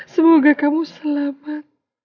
semoga kamu selamat